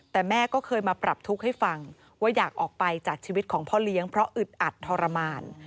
แต่แม่ก็เคยมาปรับทุกข์ให้ฟังว่าอยากออกไปจากชีวิตของพ่อเลี้ยงเพราะอึดอัดทรมาน